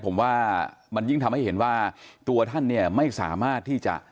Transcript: ผมว่ามันยิ่งทำให้เห็นว่าตัวท่านเนี่ยไม่สามารถที่จะ